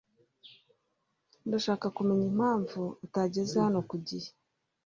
Ndashaka kumenya impamvu utageze hano ku gihe.